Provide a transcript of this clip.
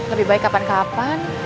lebih baik kapan kapan